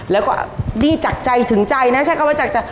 แล้วก็นี่จากใจถึงใจนะ